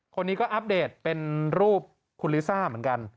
คนนี้ก็อัปเดตเป็นรูปคุณลิซ่าเหมือนกัน